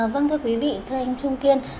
vâng thưa quý vị thưa anh trung kiên